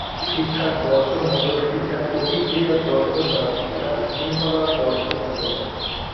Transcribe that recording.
শিক্ষার দর্শন মূলত শিক্ষার প্রক্রিয়ার দর্শন বা শিক্ষার শৃঙ্খলার দর্শন হতে পারে।